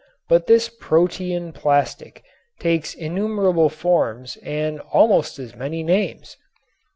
But this protean plastic takes innumerable forms and almost as many names.